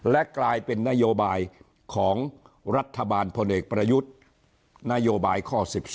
และกลายเป็นนโยบายของรัฐบาลพลเอกประยุทธ์นโยบายข้อ๑๒